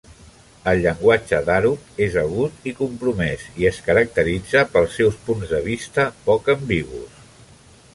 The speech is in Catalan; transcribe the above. El llenguatge d'Arup és agut i compromès, i es caracteritza pels seus punts de vista poc ambigus.